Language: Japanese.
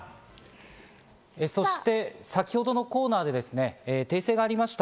そして先ほどのコーナーでですね、訂正がありました。